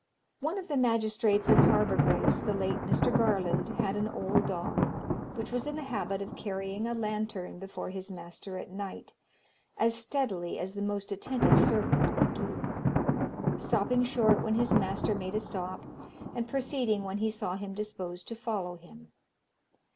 One of the Magistrates of Harbour Grace, the late Mr. Garland, had an old dog, which was in the habit of carrying a lantern before his master at night, as steadily as the most attentive servant could do; stopping short when his master made a stop, and proceeding when he saw him disposed to follow him.